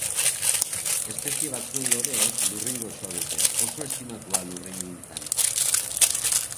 Espezie batzuen loreek lurrin goxoa dute, oso estimatua lurringintzan.